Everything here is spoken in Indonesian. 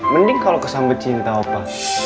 mending kalau kesampet cinta opa